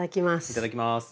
いただきます！